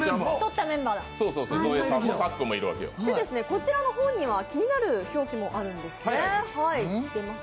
こちらの本には気になる表記もあるんですね。